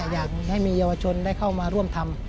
อยากให้มีเยาวชนได้เข้ามาร่วมทำ